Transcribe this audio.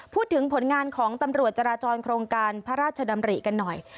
พูดถึงผลงานของตำรวจจราจรโครงการพระราชดำริกันหน่อย